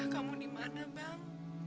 kamu dimana bang